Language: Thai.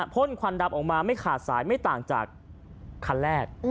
พ่นควันดำออกมาไม่ขาดสายไม่ต่างจากคันแรก